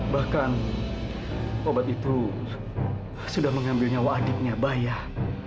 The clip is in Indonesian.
bahkan obat itu sudah mengambil nyawa adiknya bayah